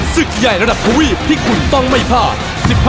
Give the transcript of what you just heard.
ศึกใหญ่ระดับทวีปที่คุณต้องไม่พลาด